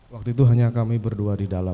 waktu itu hanya kami berdua di dalam